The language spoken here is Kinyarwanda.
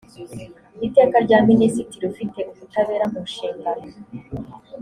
iteka rya minisitiri ufite ubutabera munshingano